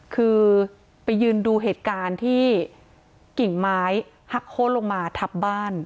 คือไปยืนดูเหตุการณ์ที่กิ่งไม้หักโค้นลงมาทับบ้าน